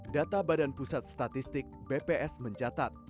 data badan pusat statistik bps mencatat